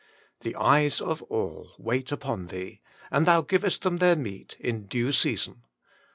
The eyes of all wait upon Thee ; And Thou givest them their meat in due season.